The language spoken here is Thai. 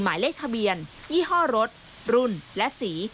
หมายเลขทะเบียนยี่ห้อรถรุ่นและสี